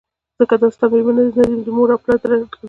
ځکه دا ستا مېرمن نه ده نه دي مور او پلار درګوري